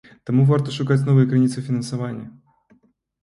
Таму варта шукаць новыя крыніцы фінансавання.